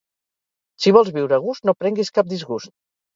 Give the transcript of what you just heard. Si vols viure a gust, no prenguis cap disgust.